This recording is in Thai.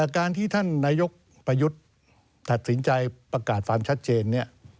การที่ท่านนายกประยุทธ์ตัดสินใจประกาศความชัดเจนเนี่ย